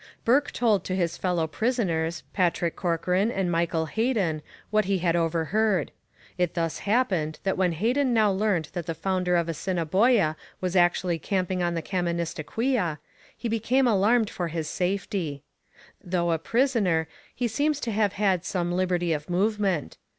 Bourke told to his fellow prisoners, Patrick Corcoran and Michael Heden, what he had overheard. It thus happened that when Heden now learned that the founder of Assiniboia was actually camping on the Kaministikwia, he became alarmed for his safety. Though a prisoner, he seems to have had some liberty of movement.